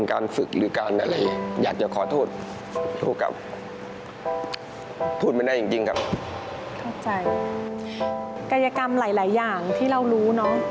กายกรรมหลายอย่างที่เรารู้เนอะ